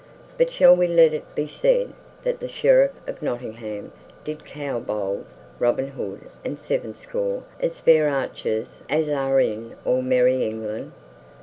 But shall we let it be said that the Sheriff of Nottingham did cow bold Robin Hood and sevenscore as fair archers as are in all merry England?